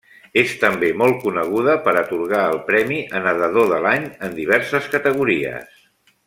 És també molt coneguda per atorgar el premi a Nedador de l'Any en diverses categories.